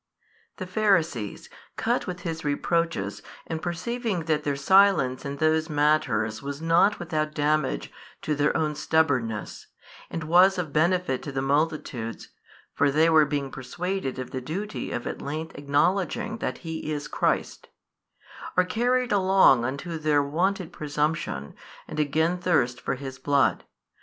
The Pharisees cut with His reproaches, and perceiving that their silence in those matters was not without damage to their own stubbornness, and was of benefit to the multitudes (for they were being persuaded of the duty of at length acknowledging that He is Christ), are carried along unto their wonted presumption, and again thirst for His Blood.